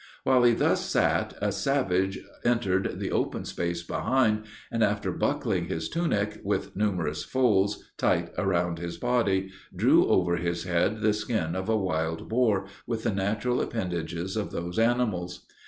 While he thus sat, a savage entered the open space behind, and, after buckling his tunic, with numerous folds, tight around his body, drew over his head the skin of a wild boar, with the natural appendages of those animals.